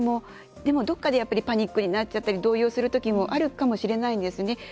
でも、どこかでパニックになっちゃったり動揺するときもあるかもしれないんですね。